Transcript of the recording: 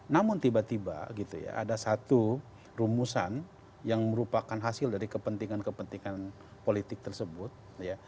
namun tiba tiba gitu ya ada satu rumusan yang merupakan hasil dari kepentingan kepentingan politik tersebut ya